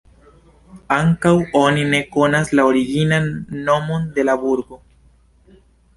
Ankaŭ oni ne konas la originan nomon de la burgo.